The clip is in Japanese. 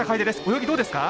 泳ぎどうですか？